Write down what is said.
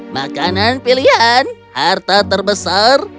makanan pilihan harta terbesar